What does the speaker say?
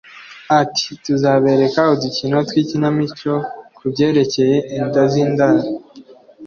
Ati “tuzabereka udukino tw’ikinamico ku byerekeye inda z’indaro